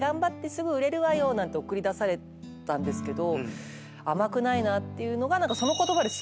「すぐ売れるわよ」なんて送り出されたんですけど甘くないなっていうのが。